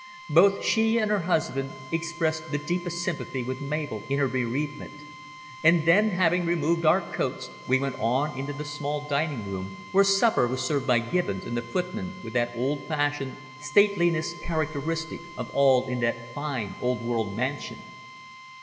Both she and her husband expressed the deepest sympathy with Mabel in her bereavement, and then having removed our coats we went on into the small dining room, where supper was served by Gibbons and the footman with that old fashioned stateliness characteristic of all in that fine old world mansion.